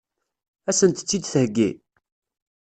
Ad sent-tt-id-theggi?